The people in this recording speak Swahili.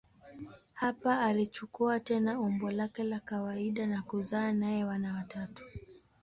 Hapa alichukua tena umbo lake la kawaida na kuzaa naye wana watatu.